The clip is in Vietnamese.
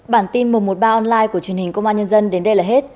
bản tin một trăm một mươi ba online của truyền hình công an nhân dân đến đây là hết